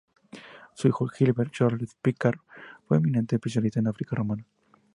Su hijo Gilbert Charles-Picard fue un eminente especialista en África romana.